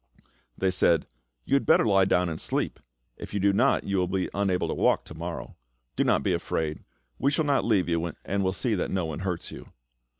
They said, "You had better lie down and sleep; if you do not, you will be unable to walk to morrow. Do not be afraid; we shall not leave you, and will see that no one hurts you."